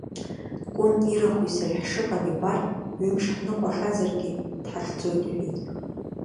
Кәын ирахәи сареи ҳшыҟам ибар, ҩымш ҳныҟәахьазаргьы дҳахьӡоит, — иҳәеит.